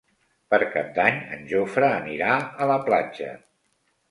Per Cap d'Any en Jofre anirà a la platja.